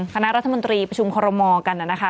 คณะรัฐมนตรีประชุมคอรมอลกันนะคะ